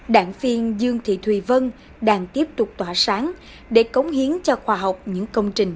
đảng viên dương thị thùy vân đang tiếp tục tỏa sáng để cống hiến cho khoa học những công trình